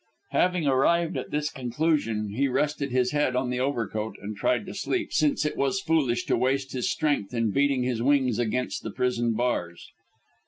Having arrived at this conclusion, he rested his head on the overcoat and tried to sleep, since it was foolish to waste his strength in beating his wings against the prison bars.